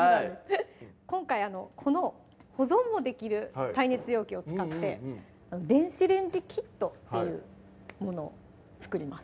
今回この保存もできる耐熱容器を使って電子レンジキットっていうものを作ります